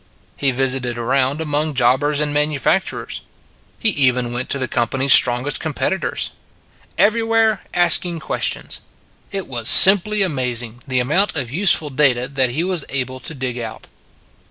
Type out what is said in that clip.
He visited around among jobbers and manufacturers: he even went to the com pany s strongest competitors. Everywhere asking questions. It was simply amazing, the amount of useful data that he was able to dig out.